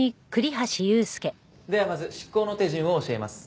ではまず執行の手順を教えます。